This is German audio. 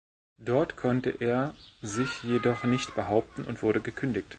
Dort konnte er sich jedoch nicht behaupten und wurde gekündigt.